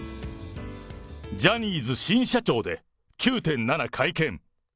ジャニーズ新社長で９・７会見。